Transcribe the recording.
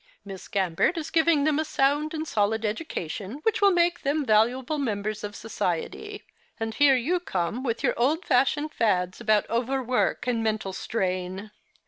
Miss Gambert is giving them a sound and solid education, which will make them valuable members of society ; and here you come with your old fashioned fads about over work and mental strain."